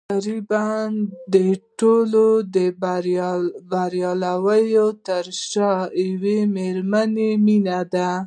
تقريباً د ټولو د برياوو تر شا د يوې مېرمنې مينه وه.